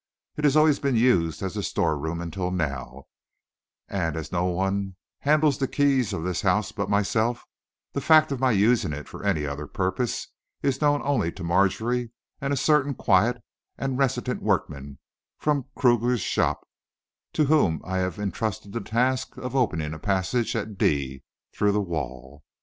It has always been used as a store room until now, and as no one handles the keys of this house but myself, the fact of my using it for any other purpose is known only to Margery and a certain quiet and reticent workman from Cruger's shop, to whom I have intrusted the task of opening a passage at D through the wall.